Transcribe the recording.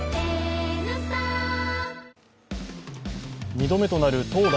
２度目となる投打